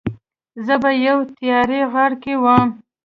زه په یوه تیاره غار کې وم.